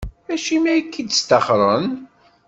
Acimi ay k-id-sṭaxren?